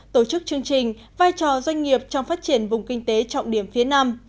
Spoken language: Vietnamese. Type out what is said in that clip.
tổ chức chương trình vai trò doanh nghiệp trong phát triển vùng kinh tế trọng điểm phía nam